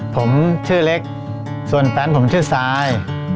ผมชื่อเล็กส่วนแฟนผมชื่อทราย